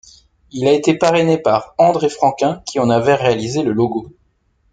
Il a été parrainé par André Franquin qui en avait réalisé le logo.